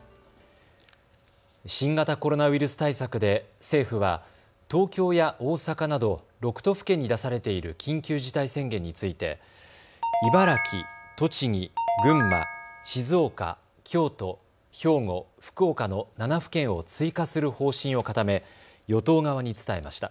新型コロナウイルス対策で政府は東京や大阪など６都府県に出されている緊急事態宣言について茨城、栃木、群馬、静岡、京都、兵庫、福岡の７府県を追加する方針を固め与党側に伝えました。